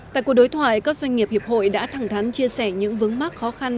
tại cuộc đối thoại các doanh nghiệp hiệp hội đã thẳng thắn chia sẻ những vướng mắc khó khăn